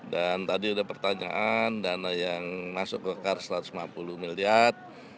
dan tadi ada pertanyaan dana yang masuk ke golkar satu ratus lima puluh miliar